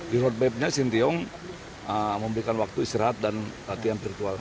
di roadmapnya sintiong memberikan waktu istirahat dan latihan virtual